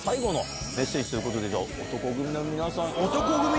男闘呼組の皆さん。